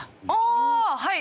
ああはい。